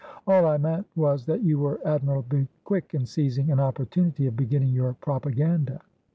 "All I meant was that you were admirably quick in seizing an opportunity of beginning your propaganda."